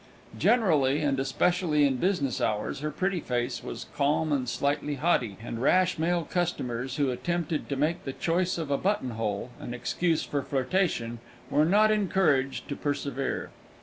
Generally, and especially in business hours, her pretty face was calm and slightly haughty, and rash male customers who attempted to make the choice of a "button hole" an excuse for flirtation were not encouraged to persevere.